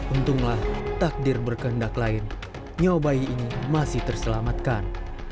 untunglah takdir berkehendak lain nyawa bayi ini masih terselamatkan